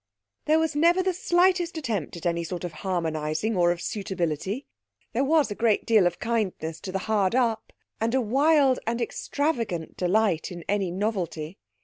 There was never the slightest attempt at any sort of harmonising, or of suitability; there was a great deal of kindness to the hard up, and a wild and extravagant delight in any novelty.